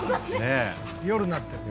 夜になってる。